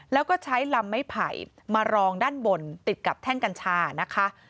แล้วก็ใช้ลำไม้ไผ่มารองด้านบนติดกับแท่งกัญชานะคะ